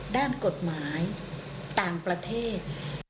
ด้านกฎหมายต่างประเทศ